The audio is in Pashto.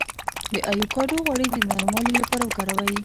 د ایوکاډو غوړي د نرموالي لپاره وکاروئ